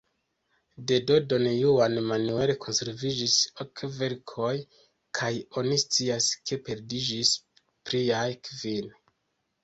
De don Juan Manuel konserviĝis ok verkoj, kaj oni scias ke perdiĝis pliaj kvin.